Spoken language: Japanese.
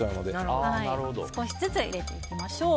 少しずつ入れていきましょう。